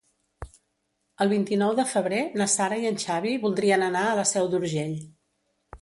El vint-i-nou de febrer na Sara i en Xavi voldrien anar a la Seu d'Urgell.